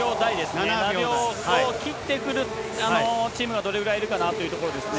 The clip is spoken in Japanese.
７秒を切ってくるチームがどれぐらいいるかなというところですね。